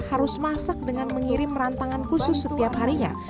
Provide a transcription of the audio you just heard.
harus masak dengan mengirim rantangan khusus setiap harinya